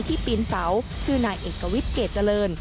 ปีนเสาชื่อนายเอกวิทย์เกรดเจริญ